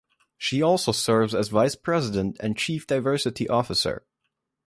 She also serves as Vice President and Chief diversity officer.